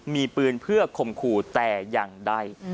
มีปืนเพื่อข่มขู่แต่อย่างใด